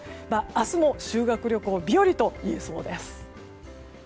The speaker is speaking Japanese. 明日も修学旅行日和といえそうです。